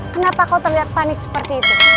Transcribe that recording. kenapa kau terlihat panik seperti itu